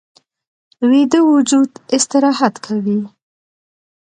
ویده وجود استراحت کوي